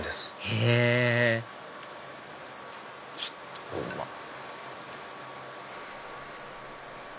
へぇちょっとうまっ！